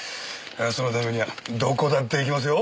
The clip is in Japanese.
そのためにはどこだって行きますよ。